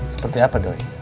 seperti apa dori